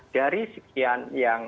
dari sekian yang